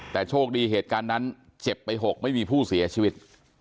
แต่โชคดีเหตุการณ์นั้นเจ็บไป๖ไม่มีผู้เสียชีวิต